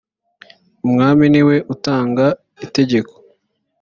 umwami niwe utanga itegeko .